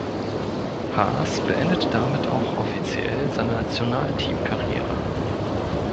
Haas beendete damit auch offiziell seine Nationalteam-Karriere.